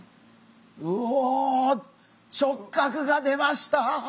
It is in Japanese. うお触角が出ました